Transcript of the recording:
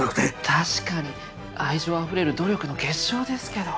確かに愛情あふれる努力の結晶ですけど。